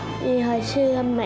nhưng hồi xưa mẹ